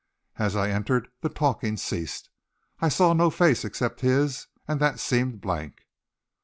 As I entered, the talking ceased. I saw no face except his and that seemed blank.